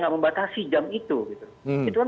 tidak membatasi jam itu itu kan